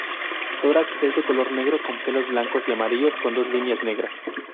Tórax es de color negro con pelos blancos y amarillos con dos líneas negras.